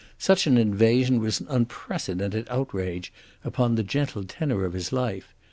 Such an invasion was an unprecedented outrage upon the gentle tenor of his life.